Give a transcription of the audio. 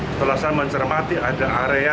setelah saya mencermati ada area